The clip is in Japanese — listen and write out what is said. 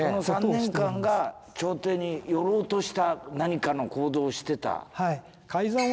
その３年間が朝廷に寄ろうとした何かの行動をしてた。